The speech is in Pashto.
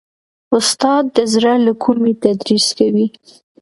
استاد د زړه له کومي تدریس کوي.